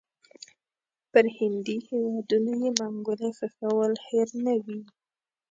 پر هندي هیوادونو یې منګولې ښخول هېر نه وي.